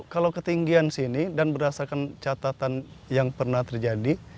kalau ketinggian sini dan berdasarkan catatan yang pernah terjadi